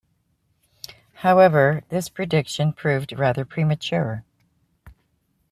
However, this prediction proved rather premature.